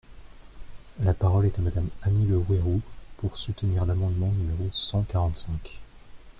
La parole est à Madame Annie Le Houerou, pour soutenir l’amendement numéro cent quarante-cinq.